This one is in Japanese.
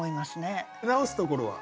直すところは？